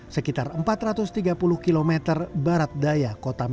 sekitar empat ratus tiga puluh km barat daya